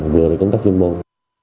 vừa là công tác tuyến môn